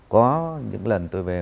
có những lần tôi về